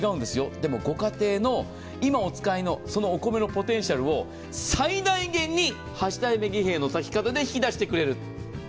でも、ご家庭の今お使いのお米のポテンシャルを最大限に八代目儀兵衛の炊き方で引き出してくれる。